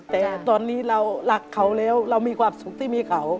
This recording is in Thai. แต่ตอนนี้เรารักเขาแล้วเรามีความสุขที่มีเขา